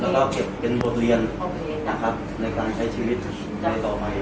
และเก็บเป็นโบรเวียนในการใช้ชีวิตในต่อไป